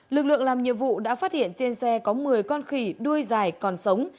lực lượng làm nhiệm vụ đã phát hiện trên xe có một mươi con khỉ đuôi dài còn sống